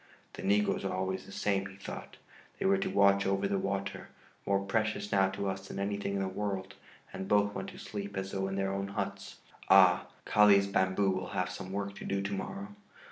"The negroes are always the same," he thought; "they were to watch over the water, more precious now to us than anything in the world, and both went to sleep as though in their own huts. Ah! Kali's bamboo will have some work to do to morrow."